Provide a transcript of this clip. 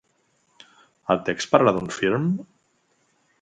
El text parla d'un film?